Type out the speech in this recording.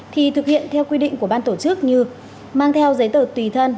thì thực hiện theo quy định của ban tổ chức như mang theo giấy tờ tùy thân